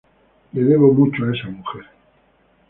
Le debo mucho a esa mujer.